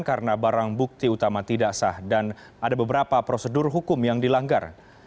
karena barang bukti utama tidak sah dan ada beberapa prosedur hukum yang dilanggar